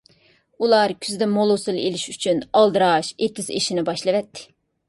ئۇلار كۈزدە مول ھوسۇل ئېلىش ئۈچۈن ئالدىراش ئېتىز ئىشىنى باشلىۋەتتى.